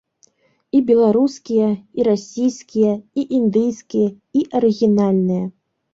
І беларускія, і расійскія, і індыйскія, і арыгінальныя.